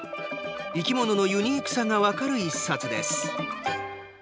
生き物のユニークさが分かる１冊です。